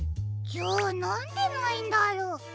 じゃあなんでないんだろう？